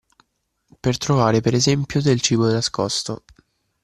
Per trovare per esempio del cibo nascosto.